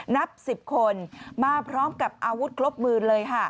นับ๑๐คนมาพร้อมกับอาวุธครบมือเลยค่ะ